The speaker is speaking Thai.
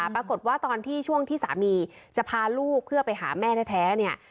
ตอนที่ช่วงที่สามีจะพาลูกเพื่อไปหาแม่แท้เนี่ย